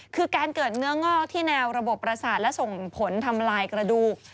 คือการเกิดเนื้องอกที่แนวระบบประสาทและส่งผลทำลายกระดูก